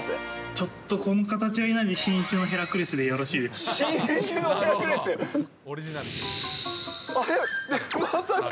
ちょっとこの形はいないんんで、新種のヘラクレスでよろしいですか。